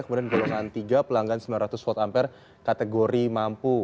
kemudian golongan tiga pelanggan sembilan ratus volt ampere kategori mampu